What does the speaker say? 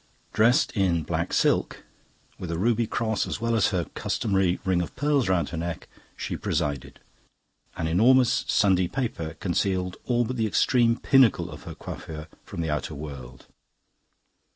Dressed in black silk, with a ruby cross as well as her customary string of pearls round her neck, she presided. An enormous Sunday paper concealed all but the extreme pinnacle of her coiffure from the outer world.